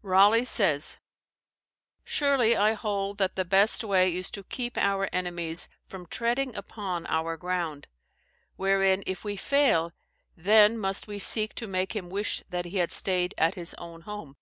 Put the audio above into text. Raleigh [Historie of the World pp. 799 801.] says: "Surely I hold that the best way is to keep our enemies from treading upon our ground: wherein if we fail, then must we seek to make him wish that he had stayed at his own home.